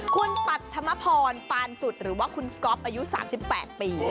คุณปัธมพรปานสุดหรือว่าคุณก๊อฟอายุ๓๘ปี